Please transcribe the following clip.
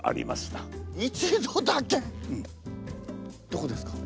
どこですか？